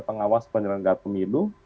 pengawas penyelenggaraan pemilu